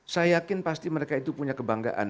saya yakin pasti mereka itu punya kebanggaan